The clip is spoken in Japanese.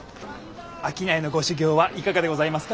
商いのご修業はいかがでございますか？